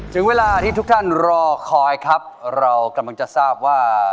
ถึงเวลาที่ทุกท่านรอคอยครับเรากำลังจะทราบว่า